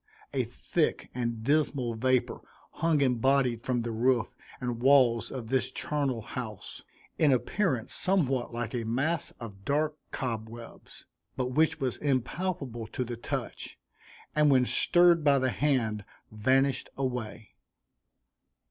A thick and dismal vapor hung embodied from the roof and walls of this charnel house, in appearance somewhat like a mass of dark cobwebs; but which was impalpable to the touch, and when stirred by the hand vanished away.